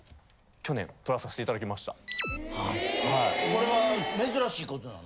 ・これは珍しい事なの？